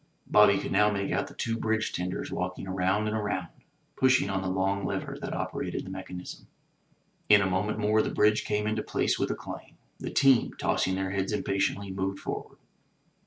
Bobby could now make out the two bridge tenders walking around and around, pushing on the long lever that operated the mechanism. In a moment more the bridge came into place with a clang. The team, tossing their heads impatiently, moved forward.